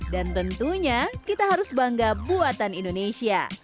dan tentunya kita harus bangga buatan indonesia